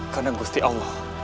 karena gusti allah